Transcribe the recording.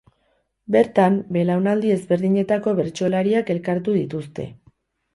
Bertan, belaunaldi ezberdinetako bertsolariak elkartu dituzte.